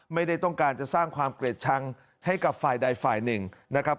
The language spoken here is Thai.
ไม่ได้ต้องการจะสร้างความเกลียดชังให้กับฝ่ายใดฝ่ายหนึ่งนะครับ